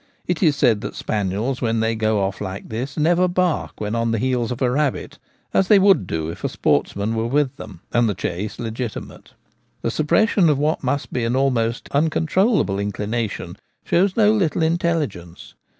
It is said that spaniels when they go off like this never bark when on the heels of a rabbit, as they would do if a sportsman was with them and the chase legitimate. This suppression of what must be an almost uncon trollable inclination shows no little intelligence.